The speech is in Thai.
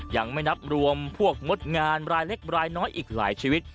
ยังไม่นับรวมพวกงดงานรายเล็กรายน้อยอีกหลายชีวิต